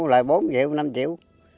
bốn triệu năm triệu